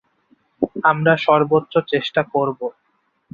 আমরা সর্বোচ্চ চেষ্টা করব।